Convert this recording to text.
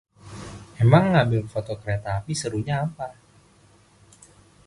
Emang ngambil foto kereta api serunya apa?